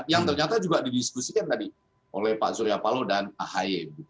yang ternyata juga didiskusikan tadi oleh pak surya palo dan ahy